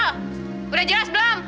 lino udah jelas belum